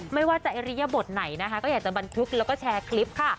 ไม่ว่าจะอิริยบทไหนนะคะก็อยากจะบันทึกแล้วก็แชร์คลิปค่ะ